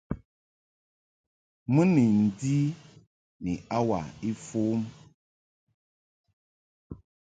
Mɨ ni ndi ni hour ifɔm.